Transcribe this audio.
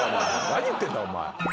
何言ってんだお前。